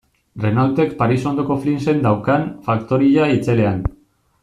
Renaultek Paris ondoko Flinsen daukan faktoria itzelean.